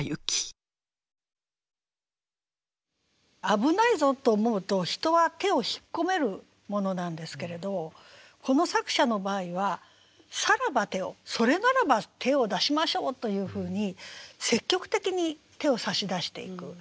危ないぞと思うと人は手を引っ込めるものなんですけれどこの作者の場合は「さらば手を、」それならば手を出しましょうというふうに積極的に手を差し出していく。